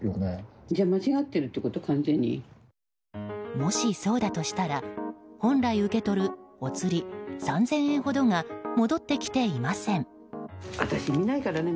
もしそうだとしたら本来受け取るお釣り３０００円ほどが戻ってきていません。